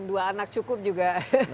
dua anak cukup juga